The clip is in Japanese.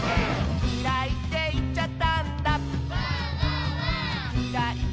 「きらいっていっちゃったんだ」